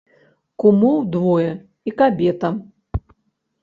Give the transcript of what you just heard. Кумоў двое і кабета.